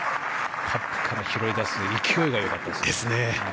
カップから拾い出す勢いがよかったですね。